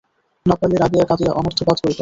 না পাইলে রাগিয়া কাঁদিয়া অনর্থপাত করিত।